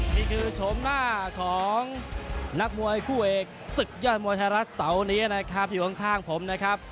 นี้คือชมหน้าของนักมวยคู่เอกศึกย่อนมวยธรรมชาวนี้นะครับอยู่ข้างผมนะครับ